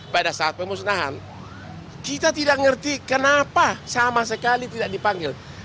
pada saat pemusnahan kita tidak mengerti kenapa sama sekali tidak dipanggil